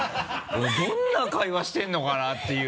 どんな会話してるのかなっていう。